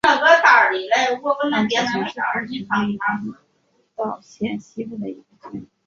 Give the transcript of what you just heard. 安佐郡是过去位于广岛县西部的一郡。